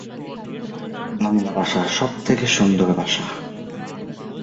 অবমাননার হাত থেকে বাঁচতে ক্লিওপেট্রা আত্মহত্যা করেন।